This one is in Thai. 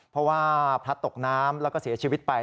เพราะว่าพลัดตกน้ำแล้วก็เสียชีวิตไป